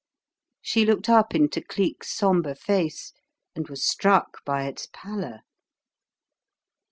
She looked up into Cleek's sombre face, and was struck by its pallor.